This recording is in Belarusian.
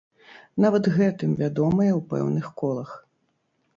Нават гэтым вядомыя ў пэўных колах.